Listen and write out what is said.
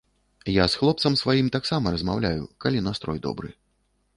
Я з хлопцам сваім таксама размаўляю, калі настрой добры.